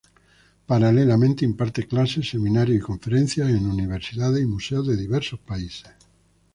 Paralelamente imparte clases, seminarios y conferencias en universidades y museos de diversos países.